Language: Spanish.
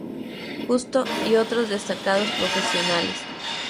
Justo y otros destacados profesionales.